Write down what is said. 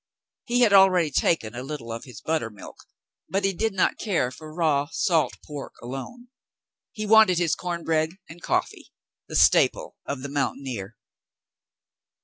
He had already taken a little of his buttermilk, but he did not care for raw salt pork alone. He wanted his corn bread and coffee, — the staple of the mountaineer.